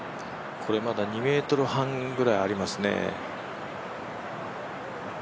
まだ２ｍ半ぐらいありますね。